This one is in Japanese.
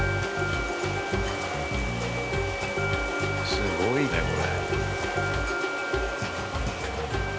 すごいねこれ。